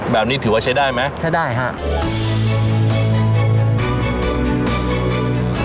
แบบนี้ถือว่าใช้ได้ไหมใช้ได้ครับ